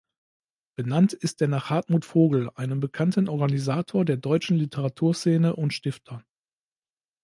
Benannt ist er nach Hartmut Vogel, einem bekannten Organisator der deutschen Literaturszene und Stifter.